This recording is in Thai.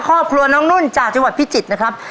ครอบครัวน้องนุ่นจากจังหวัดพิจิตรนะครับ